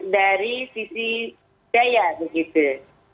dari sisi daya begitu